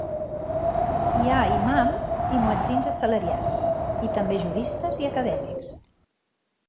Hi ha imams i muetzins assalariats, i també juristes i acadèmics.